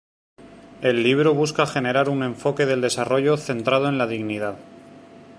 El libro busca generar un enfoque del desarrollo centrado en la dignidad.